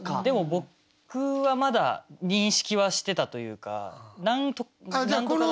でも僕はまだ認識はしてたというか何度かだけ。